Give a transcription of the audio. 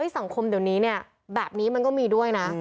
สังคมเดี๋ยวนี้เนี่ยแบบนี้มันก็มีด้วยนะ